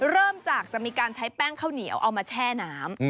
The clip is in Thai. เริ่มจากจะมีการใช้แป้งข้าวเหนียวเอามาแช่น้ำ